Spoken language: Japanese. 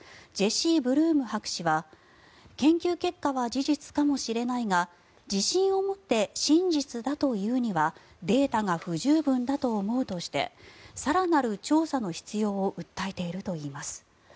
ジェシー・ブルーム博士は研究結果は事実かもしれないが自信を持って真実だというにはデータが不十分だと思うとして更なる調査の必要を訴えているとしています。